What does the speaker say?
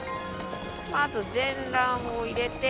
まず全卵を入れて。